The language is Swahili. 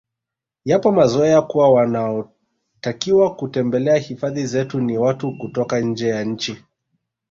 Yapo mazoea kuwa wanaotakiwa kutembelea hifadhi zetu ni watu kutoka nje ya nchi